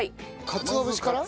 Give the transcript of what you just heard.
かつお節から。